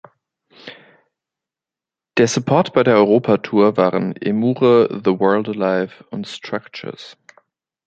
Der Support bei der Europa-Tour waren Emmure, The Word Alive und Structures.